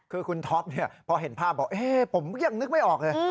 คือคุณท็อปพอเห็นภาพบอกผมยังนึกไม่ออกเลย